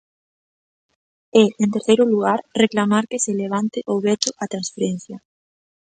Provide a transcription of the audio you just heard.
E, en terceiro lugar, reclamar que se levante o veto á transferencia.